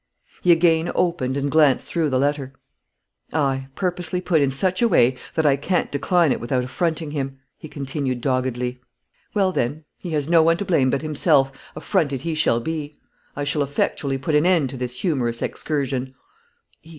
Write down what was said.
He again opened and glanced through the letter. "Aye, purposely put in such a way that I can't decline it without affronting him," he continued doggedly. "Well, then, he has no one to blame but himself affronted he shall be; I shall effectually put an end to this humorous excursion.